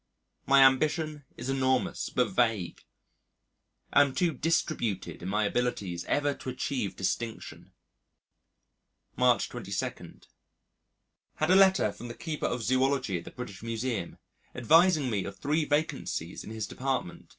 My ambition is enormous but vague. I am too distributed in my abilities ever to achieve distinction. March 22. Had a letter from the Keeper of Zoology at the British Museum, advising me of three vacancies in his Dept.